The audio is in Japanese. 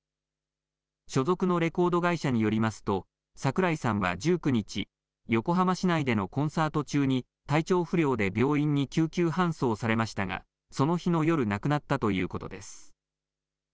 所属のレコード会社によりますと、櫻井さんは１９日、横浜市内でのコンサート中に体調不良で病院に救急搬送されましたが、その日の夜、亡くなったということです。